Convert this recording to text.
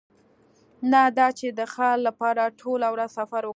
نه دا چې د ښار لپاره ټوله ورځ سفر وکړو